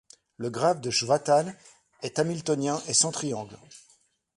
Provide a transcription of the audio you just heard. Le graphe de Chvátal est hamiltonien et sans triangle.